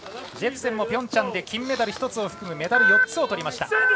ジェプセンもピョンチャンで金メダルを含むメダル４つをとりました。